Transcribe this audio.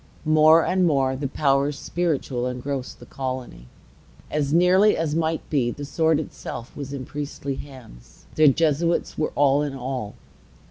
More and more the powers spiritual engrossed the colony. As nearly as might be, the sword itself was in priestly hands. The Jesuits were all in all.